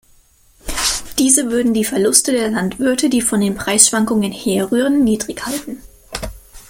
Diese würden die Verluste der Landwirte, die von den Preisschwankungen herrühren, niedrighalten.